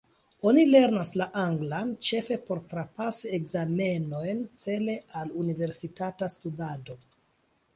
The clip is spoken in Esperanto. Oni lernas la anglan ĉefe por trapasi ekzamenojn cele al universitata studado.